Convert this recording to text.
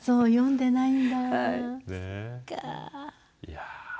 いや。